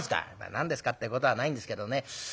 「何ですかってことはないんですけどね。